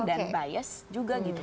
dan bias juga gitu